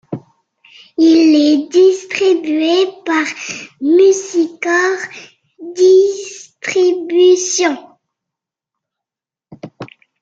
Il est distribué par Musicor Distribution.